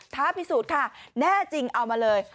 ท้าพิสูจน์ค่ะแน่จริงเอามาเลย